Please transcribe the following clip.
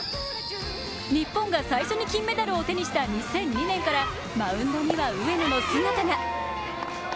日本が最初に金メダルを手にした２００２年からマウンドには上野の姿が。